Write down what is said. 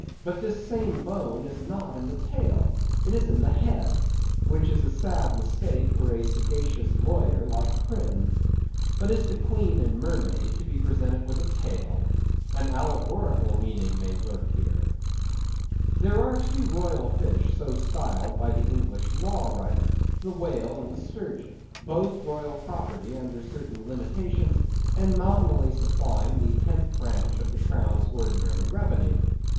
But this same bone is not in the tail; it is in the head, which is a sad mistake for a sagacious lawyer like Prynne. But is the Queen a mermaid, to be presented with a tail? An allegorical meaning may lurk here. There are two royal fish so styled by the English law writers—the whale and the sturgeon; both royal property under certain limitations, and nominally supplying the tenth branch of the crown's ordinary revenue.